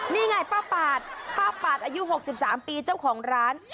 นี่ไงป้าปาดป้าปาดอายุ๖๓ปีเจ้าของร้าน